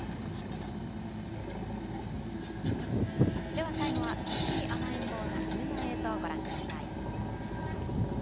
では、最後はちょっぴり甘えん坊な犬の映像、ご覧ください。